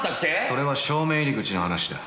それは正面入り口の話だ。